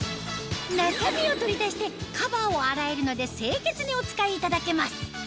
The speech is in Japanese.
中身を取り出してカバーを洗えるので清潔にお使いいただけます